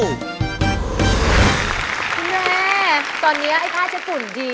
คุณแม่ตอนนี้ไอ้ผ้าจะฝุ่นดี